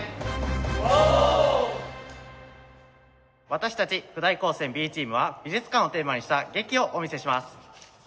私たち府大高専Ｂチームは美術館をテーマにした劇をお見せします。